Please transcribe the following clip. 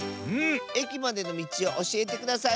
えきまでのみちをおしえてください。